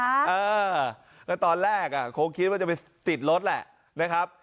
เออแล้วตอนแรกคงคิดว่าจะไปติดรถแหละนะครับ